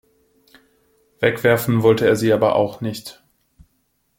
Wegwerfen wollte er sie aber auch nicht.